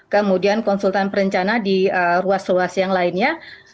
kemudian konsultan perencana di ruas ruas yang lainnya